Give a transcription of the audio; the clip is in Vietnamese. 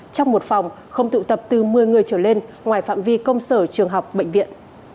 trong một phòng không tụ tập từ một mươi người trở lên ngoài phạm vi công sở trường học bệnh viện